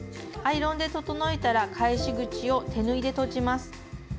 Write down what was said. アイロンで整えたら返し口を手縫いでとじます。